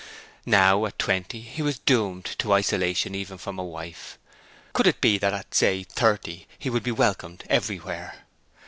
Now, at twenty, he was doomed to isolation even from a wife; could it be that at, say thirty, he would be welcomed everywhere?